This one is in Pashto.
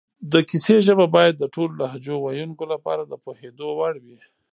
د کیسې ژبه باید د ټولو لهجو ویونکو لپاره د پوهېدو وړ وي